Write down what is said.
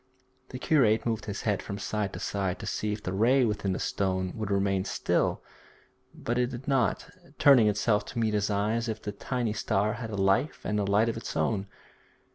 The curate moved his head from side to side to see if the ray within the stone would remain still, but it did not, turning itself to meet his eye as if the tiny star had a life and a light of its own.